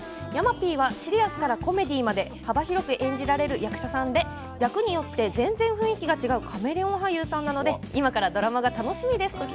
山Ｐは、シリアスからコメディーまで幅広く演じられる役者さんで役によって全然雰囲気が違うカメレオン俳優さんなので今からドラマが楽しみです。